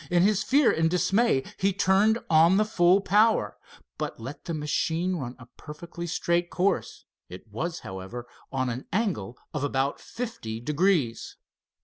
In his fear and dismay he turned on the full power, but let the machine run a perfectly straight course. It was, however, on an angle of about fifty degrees.